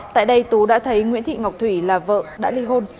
tại đây tú đã thấy nguyễn thị ngọc thủy là vợ đã ly hôn